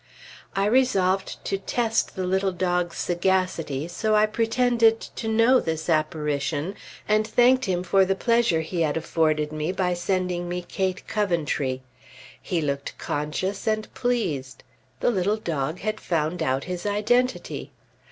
I resolved to test the little dog's sagacity, so I pretended to know this apparition, and thanked him for the pleasure he had afforded me by sending me "Kate Coventry." He looked conscious and pleased! The "little dog" had found out his identity!